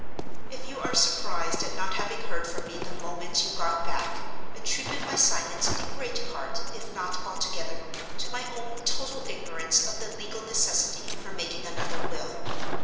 "If you are surprised at not having heard from me the moment you got back, attribute my silence, in great part—if not altogether—to my own total ignorance of the legal necessity for making another will.